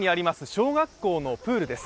小学校のプールです。